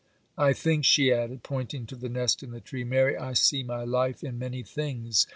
I think,' she added, pointing to the nest in the tree, 'Mary, I see my life in many things.